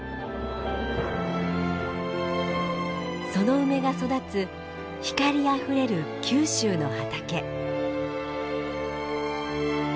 その梅が育つ光あふれる九州の畑。